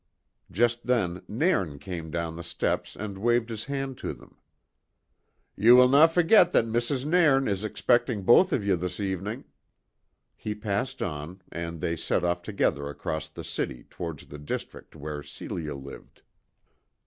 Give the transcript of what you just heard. Just then Nairn came down the steps and waved his hand to them. "Ye will no forget that Mrs. Nairn is expecting both of ye this evening." He passed on, and they set off together across the city towards the district where Celia lived.